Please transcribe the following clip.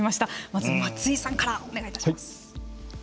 まず松井さんからお願いいたします。